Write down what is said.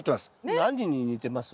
何に似てます？